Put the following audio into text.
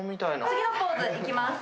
次のポーズいきます。